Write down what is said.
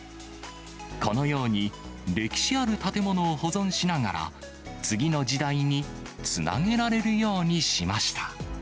このように歴史ある建物を保存しながら、次の時代につなげられるようにしました。